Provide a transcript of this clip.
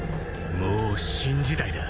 もう新時代だ。